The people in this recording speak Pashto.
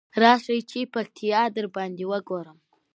راشی چی پکتيا درباندې وګورم.